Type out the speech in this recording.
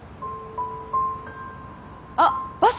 あっバス。